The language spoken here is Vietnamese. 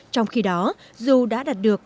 trong khi đó dù đã đạt được